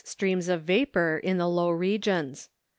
279 streams of vapour in the low regions.